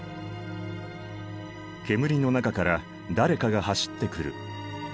煙の中から誰かが走ってくる。